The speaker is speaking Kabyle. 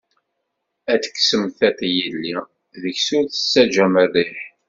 Ad tekksem tiṭ i yelli, deg-s ur d-tettaǧǧam rriḥ.